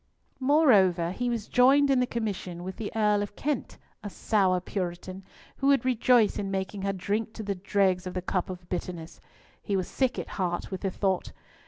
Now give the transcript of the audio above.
Moreover, he was joined in the commission with the Earl of Kent, a sour Puritan, who would rejoice in making her drink to the dregs of the cup of bitterness! He was sick at heart with the thought.